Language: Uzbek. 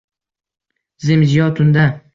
Zim-ziyo tunda